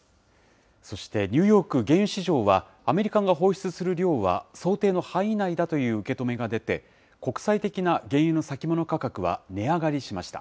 そして、ニューヨーク原油市場は、アメリカが放出する量は想定の範囲内だという受け止めが出て、国際的な原油の先物価格は値上がりしました。